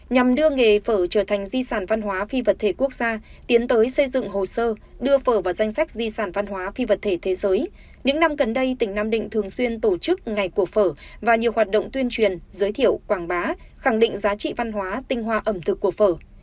nhằm đưa nghề phở trở thành di sản văn hóa phi vật thể quốc gia tiến tới xây dựng hồ sơ đưa phở vào danh sách di sản văn hóa phi vật thể thế giới những năm gần đây tỉnh nam định thường xuyên tổ chức ngày của phở và nhiều hoạt động tuyên truyền giới thiệu quảng bá khẳng định giá trị văn hóa tinh hoa ẩm thực của phở